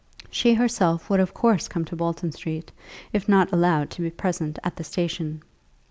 She herself would of course come to Bolton Street, if not allowed to be present at the station.